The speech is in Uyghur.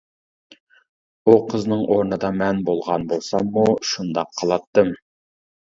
ئۇ قىزنىڭ ئورنىدا مەن بولغان بولساممۇ شۇنداق قىلاتتىم.